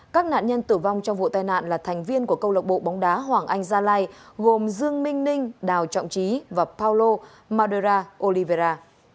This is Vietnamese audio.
các nạn nhân tử vong trong vụ tai nạn là thành viên của câu lộc bộ bóng đá hoàng anh gia lai gồm dương minh ninh đào trọng trí và paolo madura olivera